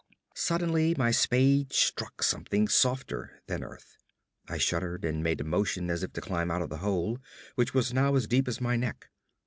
Suddenly my spade struck something softer than earth. I shuddered, and made a motion as if to climb out of the hole, which was now as deep as my neck.